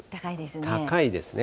高いですね。